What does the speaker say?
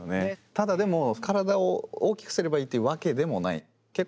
ただでも体を大きくすればいいってわけでもない。